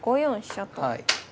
はい。